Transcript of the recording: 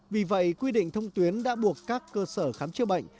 vì vậy quy định thông tuyến đã buộc các cơ sở khám chữa bệnh